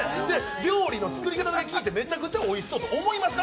料理の作り方聞いてめちゃくちゃおいしそうと思いますか？